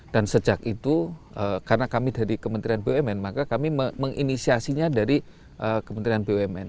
dan sejak itu karena kami dari kementerian bumn maka kami menginisiasinya dari kementerian bumn